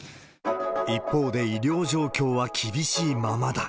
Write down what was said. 一方で、医療状況は厳しいままだ。